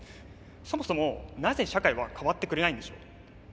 そもそもなぜ社会は変わってくれないんでしょう？